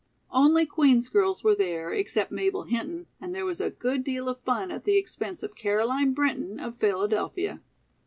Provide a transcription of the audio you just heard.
Only Queen's girls were there, except Mabel Hinton, and there was a good deal of fun at the expense of Caroline Brinton of Philadelphia.